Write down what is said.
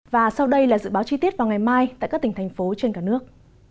và sau đây là dự báo chi tiết vào ngày mai tại các tỉnh thành phố trên cả nước